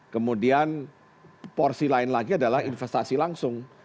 kemudian porsi lain lagi adalah investasi langsung